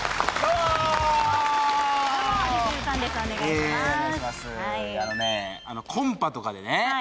あのねコンパとかでね